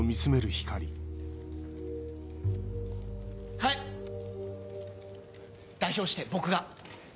はい！代表して僕が。